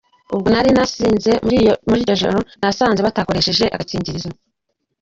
ubwo nari nasinze muri iryo joro nasanze batakoresheje agakingirizo”.